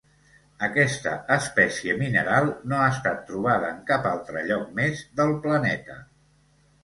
Aquesta espècie mineral no ha estat trobada en cap altre lloc més del planeta.